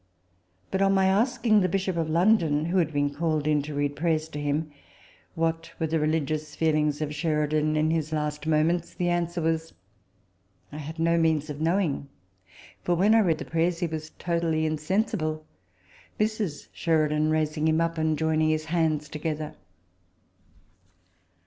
But, on my asking the Bishop of London, who had been called in to read prayers to him, what were the religious feelings of Sheridan in his last moments, the answer was, " I had no means of knowing ; for, when I read the prayers, he was totally insensible ; Mrs. Sheridan raising him up, and joining his hands together."